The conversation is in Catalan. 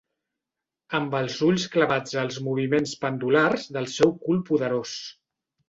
Amb els ulls clavats als moviments pendulars del seu cul poderós.